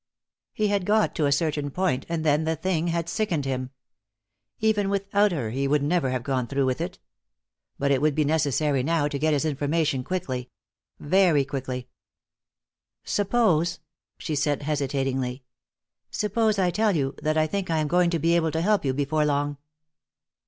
He had got to a certain point, and then the thing had sickened him. Even without her he would never have gone through with it. But it would be necessary now to get his information quickly. Very quickly. "Suppose," she said, hesitatingly, "suppose I tell you that I think I am going to be able to help you before long?"